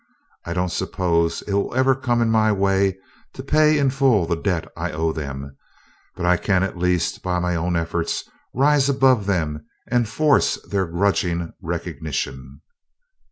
I don't suppose it will ever come in my way to pay in full the debt I owe them, but I can at least by my own efforts rise above them and force their grudging recognition!"